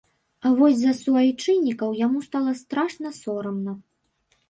А вось за суайчыннікаў яму стала страшна сорамна.